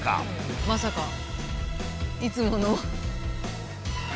まさかいつもの。